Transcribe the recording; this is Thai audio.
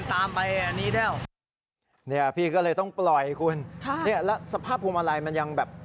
กลับไปเตี๋ยวเลยต้องปล่อยคุณแล้วแอร์แล้วสภาพพวงมาลัยมันยังแบบ